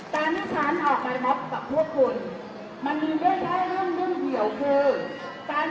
ตามที่ฉันออกมาบอกกับพวกคุณมันมีไม่แค่เรื่องเรื่องเดี่ยวคือการ